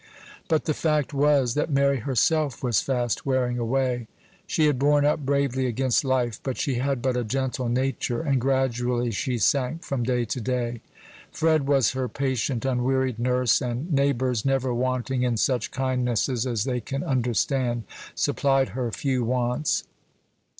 But the fact was, that Mary herself was fast wearing away. She had borne up bravely against life; but she had but a gentle nature, and gradually she sank from day to day. Fred was her patient, unwearied nurse, and neighbors never wanting in such kindnesses as they can understand supplied her few wants.